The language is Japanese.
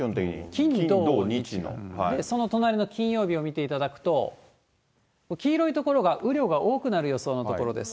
金、土、その隣の金曜日を見ていただくと、黄色い所が雨量が多くなる予想の所です。